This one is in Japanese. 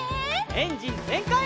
エンジンぜんかい！